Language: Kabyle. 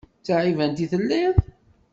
D taɛibant i telliḍ?